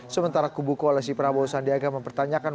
sementara kubu koalisi prabowo sandi akan mempertanyakan